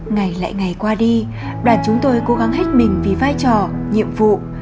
ngày lại ngày qua đi đoàn chúng tôi cố gắng hết mình vì vai trò nhiệm vụ